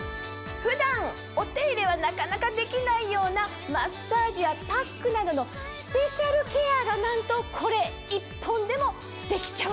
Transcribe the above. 普段お手入れはなかなかできないようなマッサージやパックなどのスペシャルケアがなんとこれ１本でもできちゃうんです。